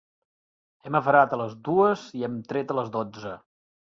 Hem avarat a les dues i hem tret a les dotze.